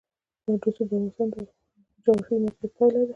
رسوب د افغانستان د جغرافیایي موقیعت پایله ده.